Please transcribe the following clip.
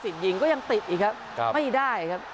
ยิงก็ยังติดอีกครับไม่ได้ครับ